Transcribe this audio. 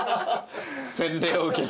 洗礼を受けて。